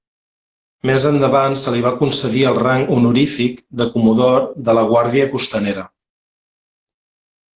Més endavant se li va concedir el rang honorífic de Comodor de la Guàrdia Costanera.